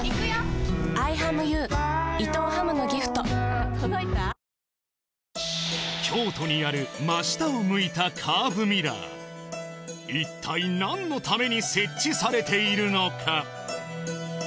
あなたも京都にある真下を向いたカーブミラー一体何のために設置されているのか？